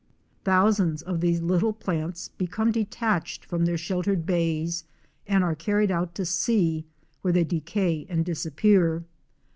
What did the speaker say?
Thousands of these little plants become detached from their sheltered bays and are carried out to sea where they decay and disappear.